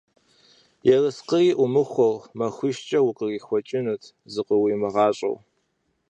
Ерыскъыи Ӏумыхуэу, махуищкӏэ укърихьэкӀынут зыкъыуимыгъащӀэу.